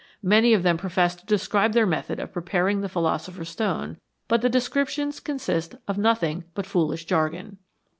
Many of them profess to describe their method of preparing the philosopher's stone, but the description consists of nothing but foolish jargon.